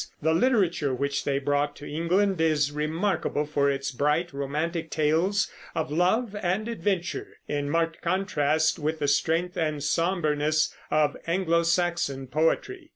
The literature which they brought to England is remarkable for its bright, romantic tales of love and adventure, in marked contrast with the strength and somberness of Anglo Saxon poetry.